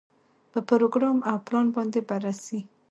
په پروګرام او پلان باندې بررسي.